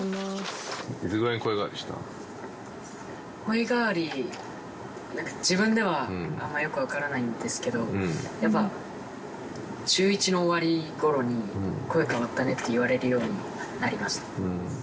声変わり何か自分ではあんまよく分からないんですけどやっぱ中１の終わり頃に「声変わったね」って言われるようになりました